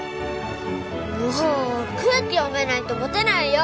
もう空気読めないとモテないよ